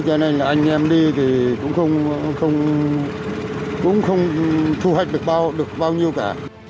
cho nên là anh em đi thì cũng không thu hoạch được bao nhiêu cả